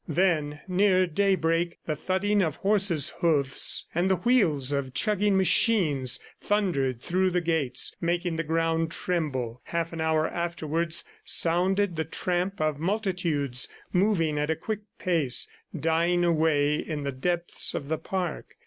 Then near daybreak the thudding of horses' hoofs and the wheels of chugging machines thundered through the gates, making the ground tremble. Half an hour afterwards sounded the tramp of multitudes moving at a quick pace, dying away in the depths of the park.